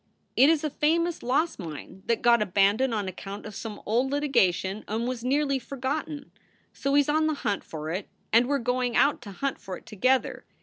It is a famous lost mine that got abandoned on account of some old littagation and was nearly forgotten. So he s on the hunt for it and we re going out to hunt for it together.